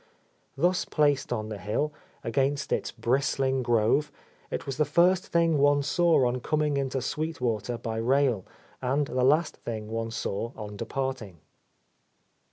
Thus placed on the hill, against its bristling grove, it was the first thing one saw on coming into Sweet Water by rail, and the last thing one saw on departing.